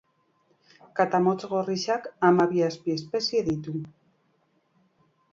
Katamotz gorriak hamabi azpiespezie ditu.